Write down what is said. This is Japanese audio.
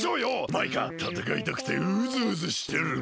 マイカたたかいたくてウズウズしてるの！